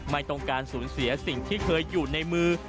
ไม่ต้องการสูญเสียสิ่งที่เคยอยู่ในมือ